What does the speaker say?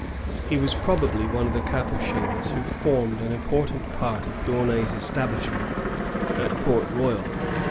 He was probably one of the Capuchins who formed an important part of D'Aunay's establishment at Port Royal.